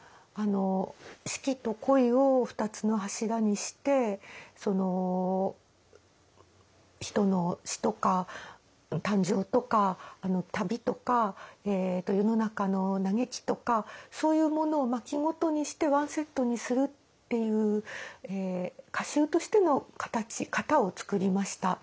四季と恋を２つの柱にしてその人の詩とか感情とか旅とか世の中の嘆きとかそういうものを巻ごとにしてワンセットにするっていう歌集としての型を創りました。